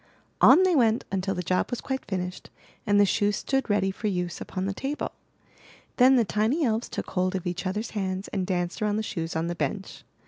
On they went until the job was quite finished and the shoes stood ready for use upon the table. Then the tiny elves took hold of each others* hands and danced around the shoes on the bench.